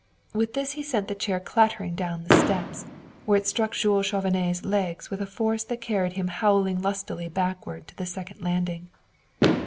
With this he sent the chair clattering down the steps, where it struck Jules Chauvenet's legs with a force that carried him howling lustily backward to the second landing.